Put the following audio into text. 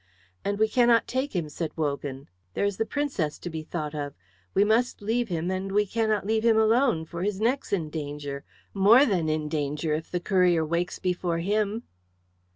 "And we cannot take him," said Wogan. "There is the Princess to be thought of. We must leave him, and we cannot leave him alone, for his neck's in danger, more than in danger if the courier wakes before him."